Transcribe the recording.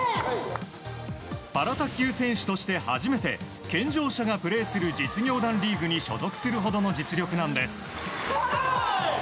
パラ卓球選手として初めて健常者がプレーする実業団リーグに所属するほどの実力なんです。